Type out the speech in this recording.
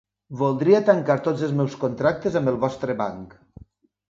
Voldria tancar tots els meus contractes amb el vostre banc.